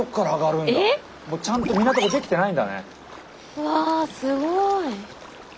うわすごい。